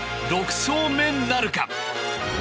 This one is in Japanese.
６勝目なるか。